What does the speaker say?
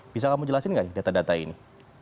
bisa kamu jelasin nggak nih data data ini